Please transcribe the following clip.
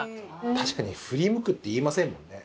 確かに「振り向く」って言いませんもんね。